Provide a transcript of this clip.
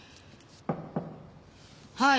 はい！